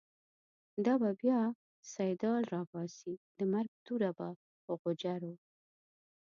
دا به بیا« سیدال» راباسی، د مرگ توره په غوجرو